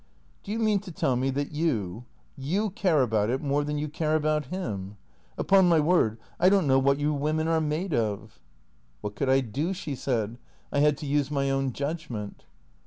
"Do you mean to tell me that you — you care about it more than you care about him ? Upon my word, I don't know what you women are made of." 512 THECEEATOES " WHiat could I do? " she said. " I had to use my own judg ment."